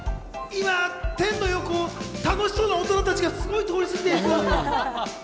今、天の横を楽しそうな大人たちが通り過ぎていくのよ。